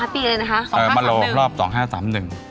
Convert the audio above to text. ปีอะไรหรอคะ๒๕๓๑มโรงรอบ๒๕๓๑